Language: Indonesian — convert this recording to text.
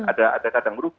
ada kadang kadang untung